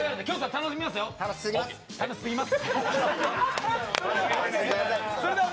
楽しすぎます。